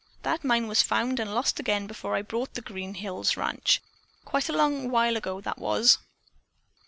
That mine was found and lost again before I bought the Green Hills Ranch. Quite a long while ago that was."